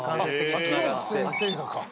秋元先生がか。